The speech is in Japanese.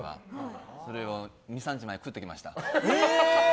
それを２３日前食ってきました。